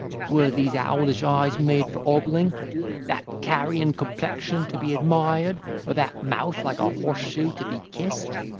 Were these owlish eyes made for ogling; that carrion complexion to be admired; or that mouth, like a horse shoe, to be kissed?